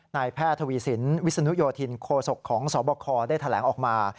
นายแพทย์ทวีสินวิศนุโยธินโคศกของสบคได้แถลงออกมา